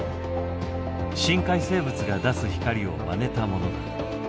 深海生物が出す光をまねたものだ。